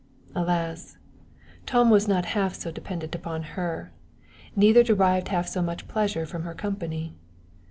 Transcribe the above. Alas! Tom was not half so dependent upon her, neither derived half so much pleasure from her company.